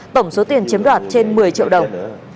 tổng số tiền chiếm đoạt trên một mươi triệu đồng